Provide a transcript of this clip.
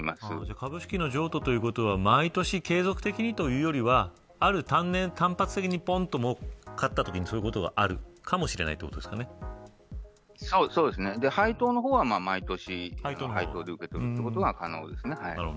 株式の譲渡ということは毎年継続的にというよりは単発的にぽんと儲かったときにそういうことが配当の方は毎年、配当で受け取ることは可能ですね。